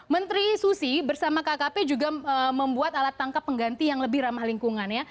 menteri susi bersama kkp juga membuat alat tangkap pengganti yang lebih ramah lingkungan ya